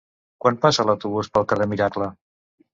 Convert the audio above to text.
Quan passa l'autobús pel carrer Miracle?